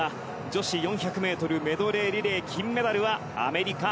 女子４００ｍメドレーリレー金メダルはアメリカ。